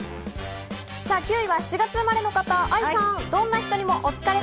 ９位は７月生まれの方、愛さん。